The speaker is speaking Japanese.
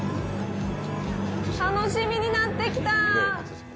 楽しみになってきた。